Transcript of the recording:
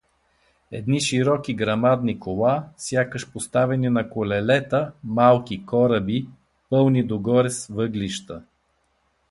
Едни широки, грамадни кола, сякаш поставени на колелета малки кораби, пълни догоре с въглища.